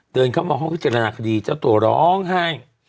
เดินเข้ามาห้องพิจารณาคดีเจ้าตัวร้องไห้